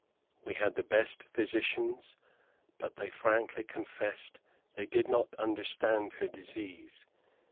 We had the best physicians, but they frankly confessed that they did not understand her disease.